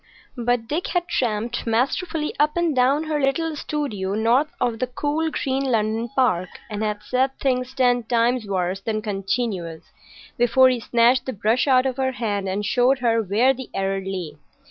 But Dick had tramped masterfully up and down her little studio north of the cool green London park, and had said things ten times worse than continuez, before he snatched the brush out of her hand and showed her where the error lay.